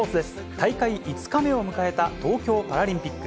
大会５日目を迎えた東京パラリンピック。